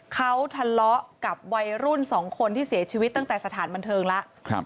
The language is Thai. เขาทะเลาะกับวัยรุ่นสองคนที่เสียชีวิตตั้งแต่สถานบันเทิงแล้ว